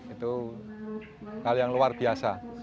itu hal yang luar biasa